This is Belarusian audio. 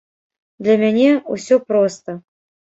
Для мяне ўсё проста.